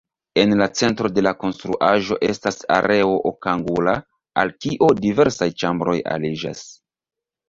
En la centro de la konstruaĵo estas areo okangula, al kio diversaj ĉambroj aliĝas.